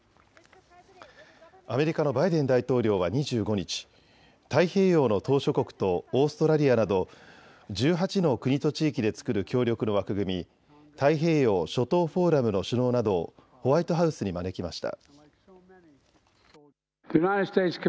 アメリカのバイデン大統領は２５日、太平洋の島しょ国とオーストラリアなど１８の国と地域で作る協力の枠組み、太平洋諸島フォーラムの首脳などをホワイトハウスに招きました。